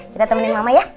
kita temenin mama ya